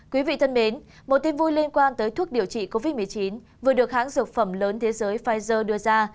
quý vị thân mến một tin vui liên quan tới thuốc điều trị covid một mươi chín vừa được hãng dược phẩm lớn thế giới pfizer đưa ra